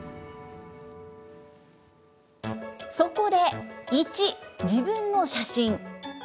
そこで１、自分の写真。